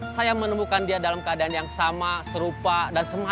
saya menemukan dia dalam keadaan yang sama serupa dan semangat